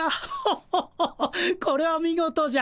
ホホホこれは見事じゃ。